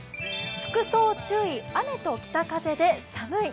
服装注意、雨と北風で寒い。